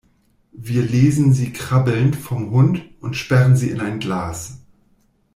Wir lesen sie krabbelnd vom Hund und sperren sie in ein Glas.